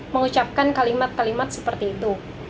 mengucapkan kalimat kalimat seperti itu